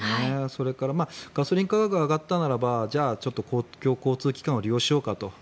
それからガソリン価格が上がったならば公共交通機関を利用しようかと。